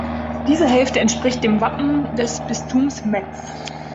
Diese Hälfte entspricht dem Wappen des Bistums Metz.